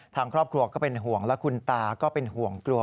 ทางครอบครัวก็เป็นห่วงและคุณตาก็เป็นห่วงกลัว